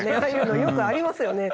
よくありますよね。